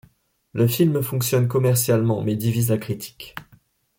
Le film fonctionne commercialement, mais divise la critique.